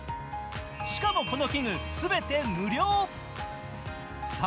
しかもこの器具、全て無料。